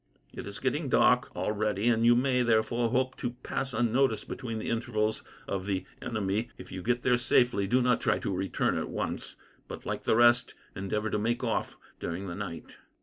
It is getting dark already, and you may, therefore, hope to pass unnoticed between the intervals of the enemy. If you get there safely, do not try to return at once, but, like the rest, endeavour to make off during the night."